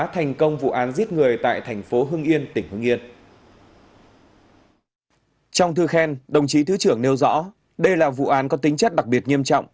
trong thư khen đồng chí thứ trưởng nêu rõ đây là vụ án có tính chất đặc biệt nghiêm trọng